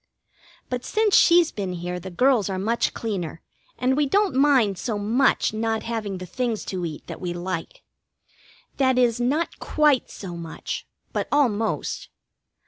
But since she's been here the girls are much cleaner, and we don't mind so much not having the things to eat that we like. That is, not quite so much. But almost.